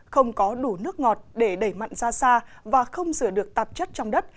không có đủ nước ngọt để đẩy mặn ra xa và không rửa được tạp chất trong đất